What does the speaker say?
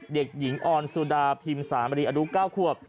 เด็กหญิงออนสุดาพิมสามรีอายุ๙ขวบ